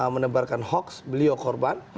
menebarkan hoaks beliau korban